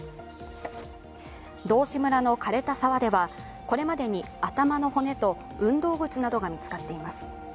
道志村のかれた沢では、これまでに頭の骨と運動靴などが見つかっています。